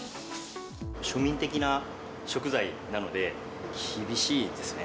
庶民的な食材なので、厳しいですね。